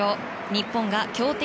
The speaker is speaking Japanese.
日本が強敵